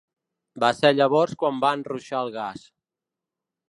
Va ser llavors quan van ruixar el gas.